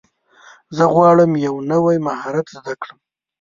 زه غواړم یو نوی مهارت زده کړم.